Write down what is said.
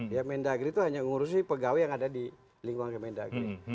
ya mendagri itu hanya mengurusi pegawai yang ada di lingkungan kemendagri